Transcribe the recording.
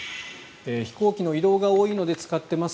飛行機の移動が多いので使っています